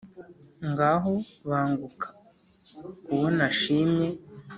ngaho banguka uwo nashimye